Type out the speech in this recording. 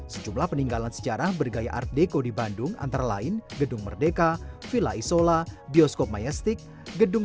sejumlah peninggalan sejarah bergaya art deco di bandung antara lain gedung merdeka villa isola bioskop mayastis dan bioskop merdeka